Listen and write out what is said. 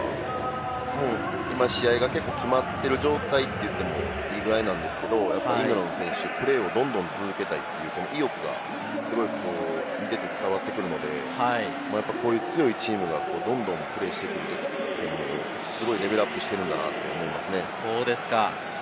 今、試合が結構決まってる状態と言ってもいいぐらいなんですけれども、イングランドの選手、プレーをどんどん続けたいという意欲がすごく見てて伝わってくるので、こういう強いチームが、どんどんプレーしていくと、どんどんレベルアップしているんだなと思いますね。